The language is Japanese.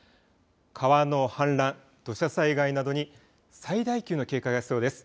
川の氾濫、土砂災害などに最大級の警戒が必要です。